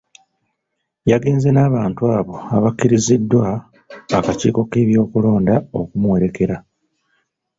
Yagenze n'abantu abo abakkiriziddwa akakiiko k'ebyokulonda okumuwerekera.